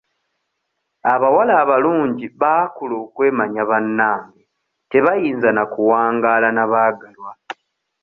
Abawala abalungi baakula okwemanya bannange tebayinza na kuwangaala na baagalwa.